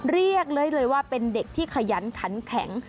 เรียกเลยว่าเป็นเด็กที่ขยันขันแข็ง